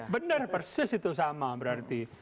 benar persis itu sama berarti